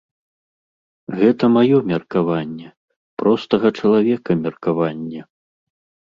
Гэта маё меркаванне, простага чалавека меркаванне.